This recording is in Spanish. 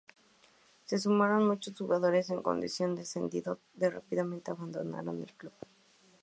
Se sumaron muchos jugadores en condición de cedidos que rápidamente abandonaron el club.